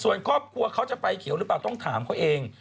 ส่วนครอบครัวเขาจะไฟเขียวหรือเปล่าต้องถามเขาเอง